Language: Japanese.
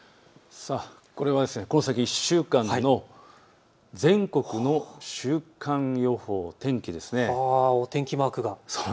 これはこの先１週間の全国の週間予報天気です。